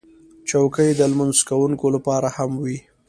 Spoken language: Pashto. چوکۍ د لمونځ کوونکو لپاره هم وي.